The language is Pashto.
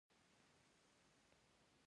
اتل د خلکو په زړه کې وي؟